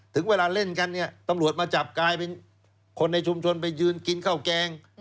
ถึงเวลาเล่นกันเนี่ยตำรวจมาจับกลายเป็นคนในชุมชนไปยืนกินข้าวแกง